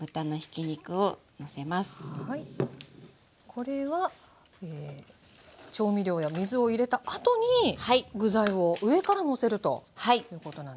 これは調味料や水を入れたあとに具材を上からのせるということなんですね？